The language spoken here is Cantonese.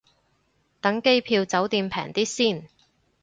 等機票酒店平啲先